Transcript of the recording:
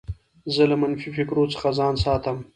زه له منفي فکرو څخه ځان ساتم.